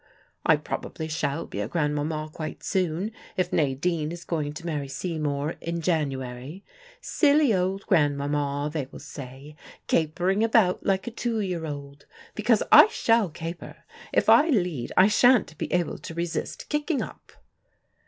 I probably shall be a grandmama quite soon, if Nadine is going to marry Seymour in January 'Silly old grandmama,' they will say, 'capering about like a two year old.' Because I shall caper: if I lead, I shan't be able to resist kicking up."